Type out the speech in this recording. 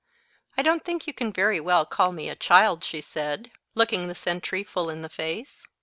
—I don't think you can very well call me a child," she said, looking the sentry full in the face.